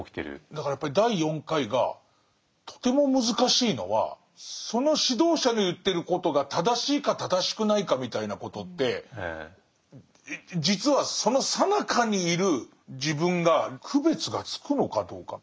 だからやっぱり第４回がとても難しいのはその指導者の言ってることが正しいか正しくないかみたいなことって実はそのさなかにいる自分が区別がつくのかどうか。